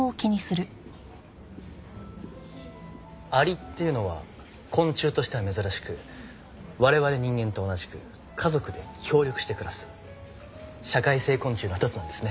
蟻っていうのは昆虫としては珍しく我々人間と同じく家族で協力して暮らす社会性昆虫の一つなんですね。